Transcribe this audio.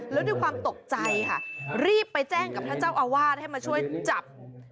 แล้วด้วยความตกใจค่ะรีบไปแจ้งกับท่านเจ้าอาวาสให้มาช่วยจับ